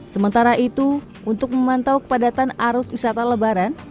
sementara itu untuk memantau kepadatan arus wisata lebaran